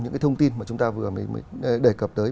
những cái thông tin mà chúng ta vừa mới đề cập tới